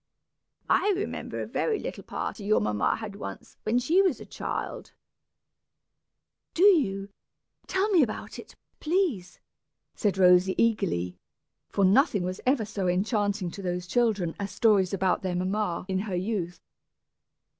I remember a very little party your mamma had once, when she was a child " "Do you? Tell me about it, please," said Rosy, eagerly, for nothing was ever so enchanting to those children as stories about their mamma in her youth.